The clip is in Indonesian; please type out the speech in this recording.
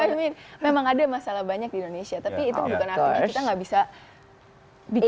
i mean memang ada masalah banyak di indonesia tapi itu bukan akibatnya kita gak bisa bikin